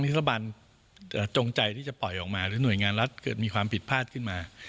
รัฐบาลจงใจที่จะปล่อยออกมาหรือหน่วยงานรัฐเกิดมีความผิดพลาดขึ้นมา